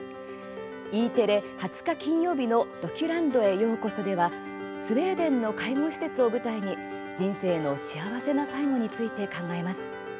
Ｅテレ、２０日、金曜日の「ドキュランドへようこそ」ではスウェーデンの介護施設を舞台に人生の幸せな最期について考えます。